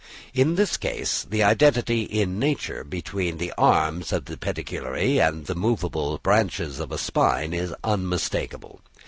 In this case the identity in nature between the arms of the pedicellariæ and the movable branches of a spine, is unmistakable.